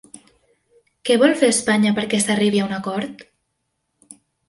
Què vol fer Espanya perquè s'arribi a un acord?